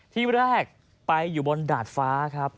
ที่แรกไปอยู่บนดาดฟ้าครับ